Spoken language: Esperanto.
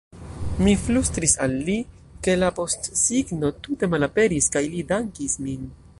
Mi flustris al li, ke la postsigno tute malaperis kaj li dankis min.